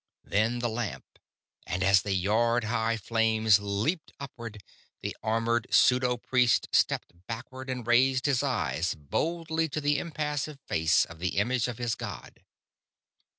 Then the lamp; and as the yard high flames leaped upward the armored pseudo priest stepped backward and raised his eyes boldly to the impassive face of the image of his god.